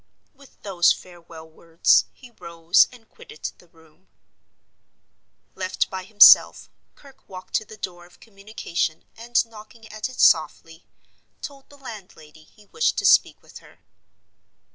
With those farewell words he rose and quitted the room. Left by himself, Kirke walked to the door of communication, and, knocking at it softly, told the landlady he wished to speak with her.